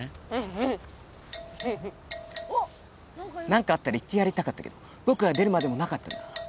何かあったらいってやりたかったけど僕が出るまでもなかったな。